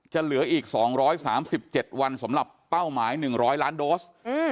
เหลืออีก๒๓๗วันสำหรับเป้าหมาย๑๐๐ล้านโดส